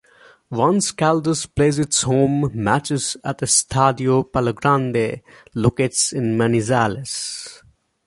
Once Caldas plays its home matches at Estadio Palogrande, located in Manizales.